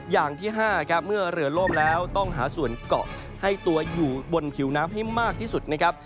อย่างที่๕ครับเมื่อเรือล่มแล้วต้องหาส่วนเกาะให้ตัวอยู่บนผิวน้ำให้มากที่สุดนะครับ